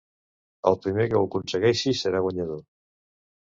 El primer que ho aconsegueixi serà guanyador.